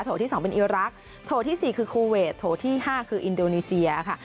ที่๒เป็นอีรักษ์โถที่๔คือคูเวทโถที่๕คืออินโดนีเซียค่ะ